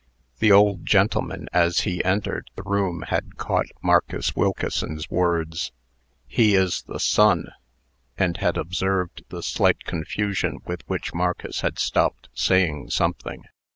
The old gentleman, as he entered the room, had caught Marcus Wilkeson's words. "He is the son " and had observed the slight confusion with which Marcus had stopped saying something.